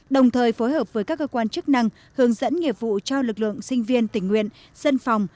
đồng thời phối hợp với các cơ quan chức năng hướng dẫn nghiệp vụ cho lực lượng sinh viên tình nguyện dân phòng